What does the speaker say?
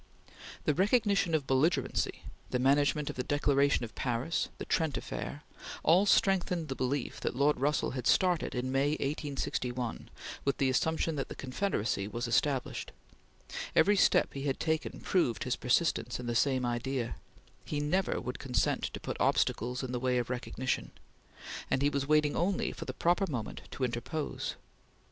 The recognition of belligerency, the management of the Declaration of Paris, the Trent Affair, all strengthened the belief that Lord Russell had started in May, 1861, with the assumption that the Confederacy was established; every step he had taken proved his persistence in the same idea; he never would consent to put obstacles in the way of recognition; and he was waiting only for the proper moment to interpose.